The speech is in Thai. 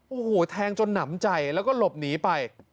โอ้โหแทงจนหนำใจแล้วก็หลบหนีไป